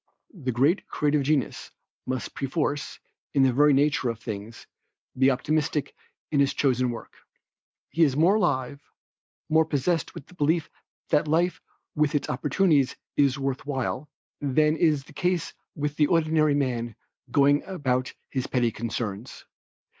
The great creative genius, must perforce, in the very nature of things, be optimistic in his chosen work. He is more alive, more possessed with the belief that life with its opportunities is worth while, than is the case with the ordinary man going about his petty concerns.